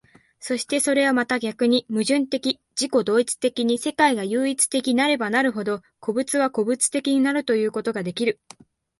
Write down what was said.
そしてそれはまた逆に矛盾的自己同一的に世界が唯一的なればなるほど、個物は個物的となるということができる。